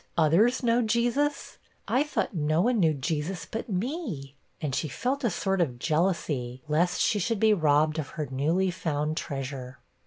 others know Jesus! I thought no one knew Jesus but me!' and she felt a sort of jealousy, lest she should be robbed of her newly found treasure.